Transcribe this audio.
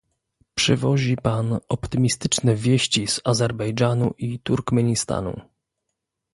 Przywozi Pan optymistyczne wieści z Azerbejdżanu i Turkmenistanu